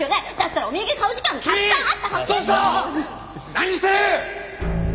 何してる！